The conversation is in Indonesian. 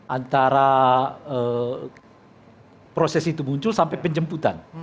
antara proses itu muncul sampai penjemputan